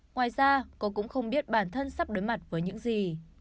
ngoài ra cô cũng không biết bản thân sắp đối mặt với những gì